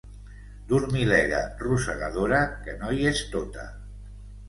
Dormilega rosegadora que no hi és tota.